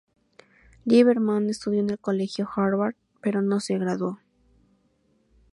Liberman estudió en el Colegio Harvard, pero no se graduó.